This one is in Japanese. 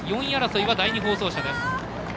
４位争いは第２放送車です。